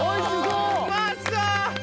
うまそう！